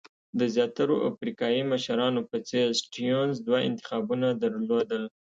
د زیاترو افریقایي مشرانو په څېر سټیونز دوه انتخابونه درلودل.